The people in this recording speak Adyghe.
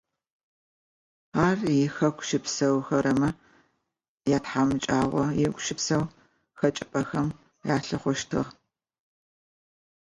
Ар ихэку щыпсэухэрэмэ ятхьамыкӏагъо ягупшысэу хэкӏыпӏэхэм алъыхъущтыгъэ.